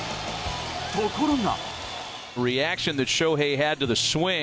ところが。